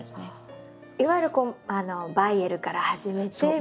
いわゆるバイエルから始めてみたいな。